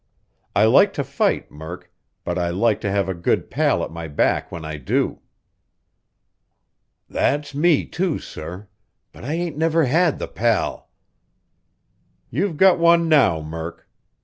I like to fight, Murk, but I like to have a good pal at my back when I do." "That's me, too, sir; but I ain't ever had the pal." "You've got one now, Murk.